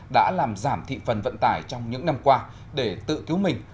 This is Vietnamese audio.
đã làm giảm thị phần vận tải trong những năm qua để tự cứu mình